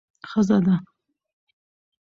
ښځه ده.